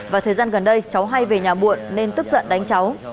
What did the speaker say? và thời gian gần đây cháu hay về nhà muộn nên tức giận đánh cháu